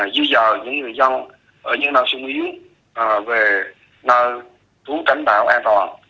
dưới giờ những người dân ở những nơi xung yếu về nơi thú cánh bão an toàn